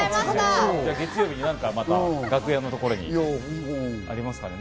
月曜日に楽屋のところにありますからね。